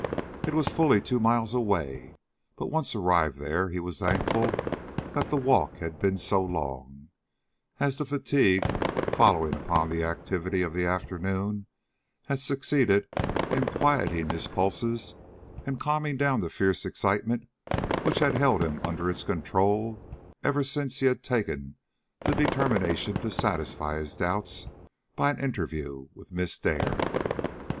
It was fully two miles away, but once arrived there, he was thankful that the walk had been so long, as the fatigue, following upon the activity of the afternoon, had succeeded in quieting his pulses and calming down the fierce excitement which had held him under its control ever since he had taken the determination to satisfy his doubts by an interview with Miss Dare.